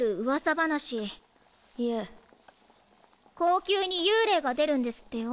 後宮に幽霊が出るんですってよ。